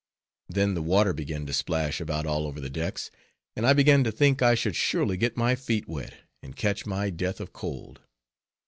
Then the water began to splash about all over the decks, and I began to think I should surely get my feet wet, and catch my death of cold.